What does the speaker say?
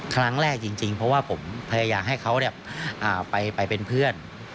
ครั้งแรกจริงเพราะว่าผมพยายามให้เขาไปเป็นเพื่อน